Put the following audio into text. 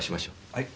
はい。